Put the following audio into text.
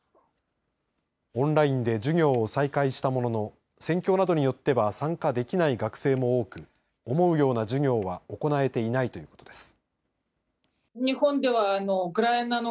オンラインで授業を再開したものの戦況などによっては参加できない学生も多く思うような授業は行えていないということです。